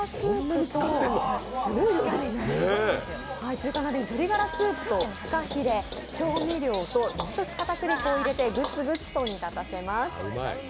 中華鍋に鶏がらスープとフカヒレ、調味料と水溶き片栗粉を入れぐつぐつと煮立たせます。